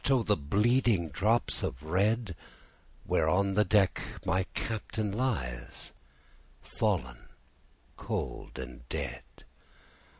O the bleeding drops of red, Where on the deck my Captain lies, Fallen cold and dead.